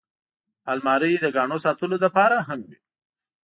الماري د ګاڼو ساتلو لپاره هم وي